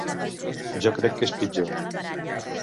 Jo crec que és pitjor.